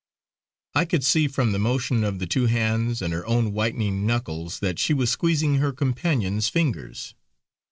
I could see from the motion of the two hands and her own whitening knuckles that she was squeezing her companion's fingers.